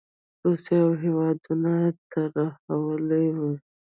روسیه او هېوادونه یې ترهولي وو.